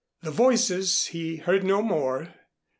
The voices he heard no more.